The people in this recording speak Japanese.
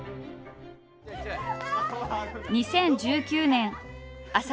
２０１９年朝